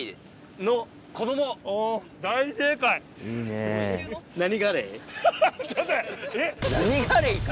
えっ⁉何ガレイか？